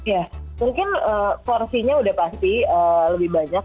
ya mungkin porsinya udah pasti lebih banyak